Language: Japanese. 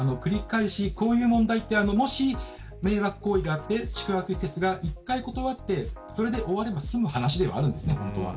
こういう問題でもし迷惑行為があって宿泊施設が一回断ってそれで終われば済む話ではあるんです。